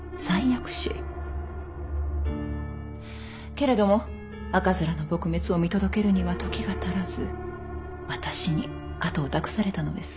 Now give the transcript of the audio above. けれども赤面の撲滅を見届けるには時が足らず私に後を託されたのです。